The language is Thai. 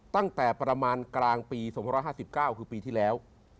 ตั้งแต่ประมาณกลางปี๒๕๙คือปีที่แล้ว